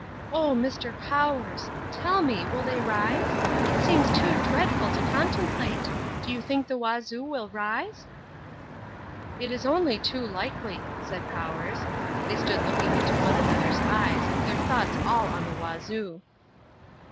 "Oh, Mr. Powers! Tell me, will they rise? It seems too dreadful to contemplate. Do you think the Wazoo will rise?" "It is only too likely," said Powers. They stood looking into one another's eyes, their thoughts all on the Wazoo.